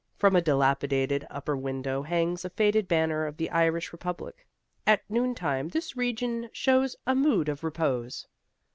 From a dilapidated upper window hangs a faded banner of the Irish Republic. At noontime this region shows a mood of repose.